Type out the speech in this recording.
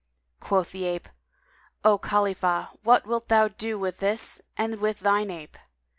Quoth the ape, "O Khalifah, what wilt thou do with this and with thine ape?"